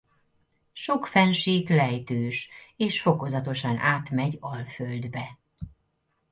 Sok fennsík lejtős és fokozatosan átmegy alföldbe.